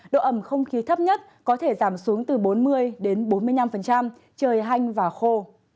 độ ẩm không khí thấp nhất có thể giảm xuống từ bốn mươi đến bốn mươi năm trời hanh và khô